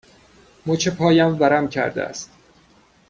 مچ پایم ورم کرده است.